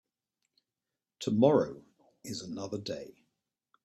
Tomorrow is another day.